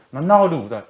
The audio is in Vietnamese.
nó no đủ rồi